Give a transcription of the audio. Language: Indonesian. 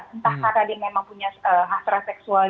entah karena dia memang punya hasrat seksual